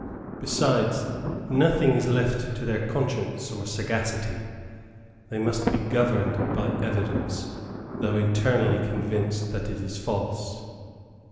Besides, nothing is left to their conscience, or sagacity; they must be governed by evidence, though internally convinced that it is false.